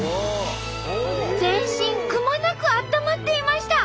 全身くまなくあったまっていました！